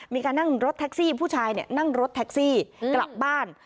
มีการนั่งรถแท็กซี่ผู้ชายนั่งรถแท็กซี่กลับบ้าน